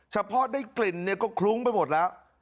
เฉพาะได้กลิ่นเนี่ยก็คลุ้งไปหมดแล้ว